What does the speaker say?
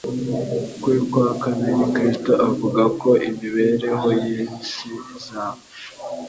kwe kwa kabiri. Kristo avuga ko imibereho y’iyi si izaba